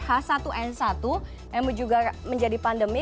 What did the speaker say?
h satu n satu yang juga menjadi pandemi